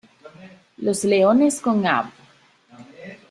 Los Leones con Av.